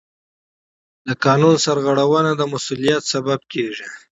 د قانون سرغړونه د مسؤلیت سبب کېږي.